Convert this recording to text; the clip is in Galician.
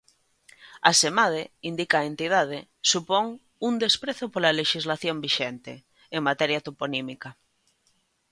Asemade, indica a entidade, supón "un desprezo pola lexislación vixente" en materia toponímica.